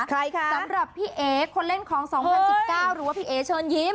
ใครคะสำหรับพี่เอ๋คนเล่นของ๒๐๑๙หรือว่าพี่เอ๋เชิญยิ้ม